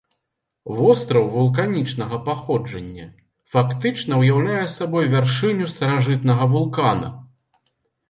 Востраў вулканічнага паходжання, фактычна ўяўляе сабой вяршыню старажытнага вулкана.